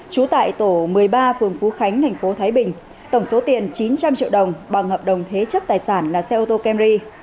chú tại tổ một mươi ba phường phú khánh tp thái bình tổng số tiền chín trăm linh triệu đồng bằng hợp đồng thế chấp tài sản là xe ô tô kemri